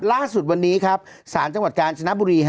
ล่าสุดวันนี้ครับศาลจังหวัดกาญจนบุรี